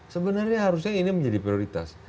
sebenarnya harusnya ini menjadi prioritas